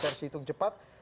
versi hitung cepat